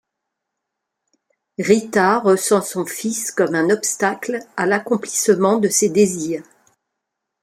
Rita ressent son fils comme un obstacle à l'accomplissement de ses désirs.